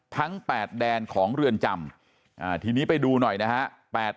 ทั้ง๘แดนของเรือนจำทีนี้ไปดูหน่อยนะฮะ